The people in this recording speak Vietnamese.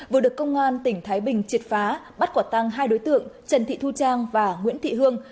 vừa được công an tỉnh thái bình triệt phá bắt quả tăng hai đối tượng trần thị thu trang và nguyễn thị hương